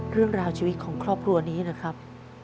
เรื่องราวชีวิตของครอบครัวนี้นะครับ